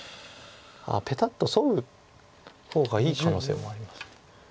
あっペタッとソウ方がいい可能性もあります。